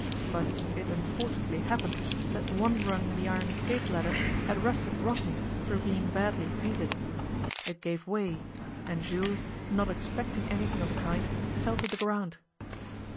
But it unfortunately happened that one rung in the iron escape ladder had rusted rotten through being badly painted. It gave way, and Jules, not expecting anything of the kind, fell to the ground.